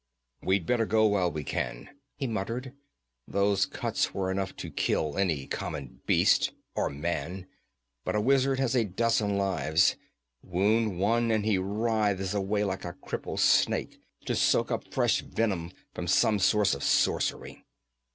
'We'd better go while we can,' he muttered. 'Those cuts were enough to kill any common beast or man but a wizard has a dozen lives. Wound one, and he writhes away like a crippled snake to soak up fresh venom from some source of sorcery.'